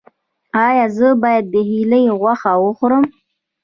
ایا زه باید د هیلۍ غوښه وخورم؟